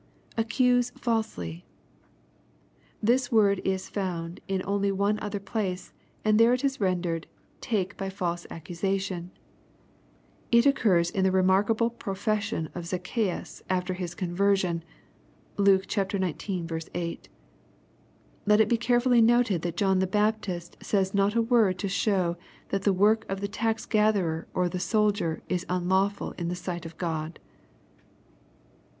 [accuse falsely.'] This word is only found in one other place, and there it is rendered, "take by false accusation." It occurs in the remarkable profession of Zacchseus after his conversion. (Luke xix, 8.) Let it be carefully noted that John the Baptist says not a word to show that the work of the tax gatherer or the soldier is un lawful in the sight of God.